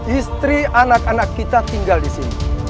istri anak anak kita tinggal di sini